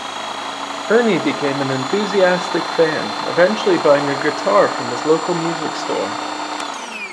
Ernie became an enthusiastic fan eventually buying a guitar from his local music store.